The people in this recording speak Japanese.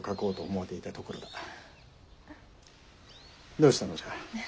どうしたのじゃ？